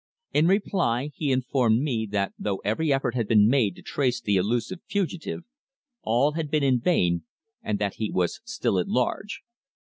In reply, he informed me that though every effort had been made to trace the elusive fugitive, all had been in vain, and that he was still at large.